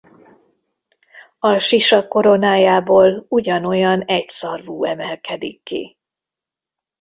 A sisak koronájából ugyanolyan egyszarvú emelkedik ki.